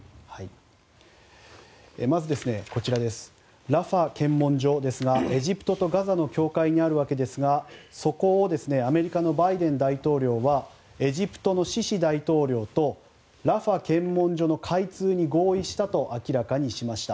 まずラファ検問所ですがエジプトとガザの境界にあるわけですがそこをアメリカのバイデン大統領はエジプトのシシ大統領とラファ検問所の開通に合意したと明らかにしました。